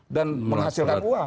dan menghasilkan uang